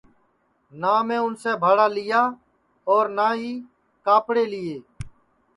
نہ میں اُنسے بھاڑا لیا اور نہ ہی کاپڑے لیئے